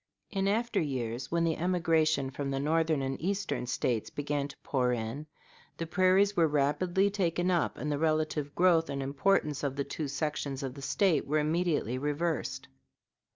In after years, when the emigration from the Northern and Eastern States began to pour in, the prairies were rapidly taken up, and the relative growth and importance of the two sections of the State were immediately reversed.